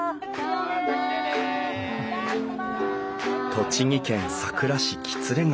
栃木県さくら市喜連川。